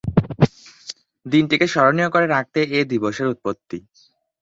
দিনটিকে স্মরণীয় করে রাখতে এ দিবসের উৎপত্তি।